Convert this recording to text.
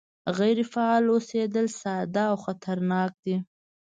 غیر فعال اوسېدل ساده او خطرناک دي